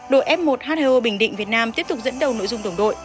đội f một h hai o bình định việt nam tiếp tục dẫn đầu nội dung đồng đội